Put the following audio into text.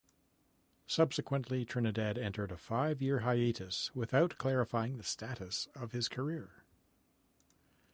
Subsequently, Trinidad entered a five-year hiatus without clarifying the status of his career.